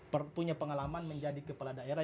punya pengalaman menjadi kepala daerah